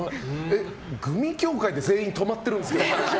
グミ協会で全員、止まってるんですけど。